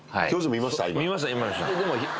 見ました